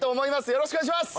よろしくお願いします。